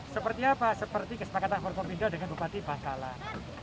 seperti apa seperti kesepakatan hormon pindah dengan bupati bangkalan